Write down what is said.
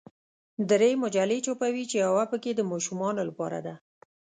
درې مجلې چاپوي چې یوه پکې د ماشومانو لپاره ده.